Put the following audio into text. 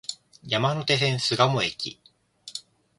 山手線、巣鴨駅